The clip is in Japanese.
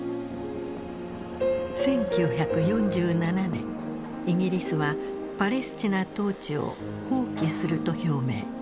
１９４７年イギリスはパレスチナ統治を放棄すると表明。